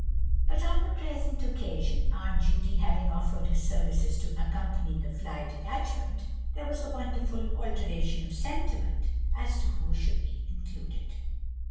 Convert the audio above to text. But, on the present occasion, Aunt Judy having offered her services to accompany the fly detachment, there was a wonderful alteration of sentiment, as to who should be included.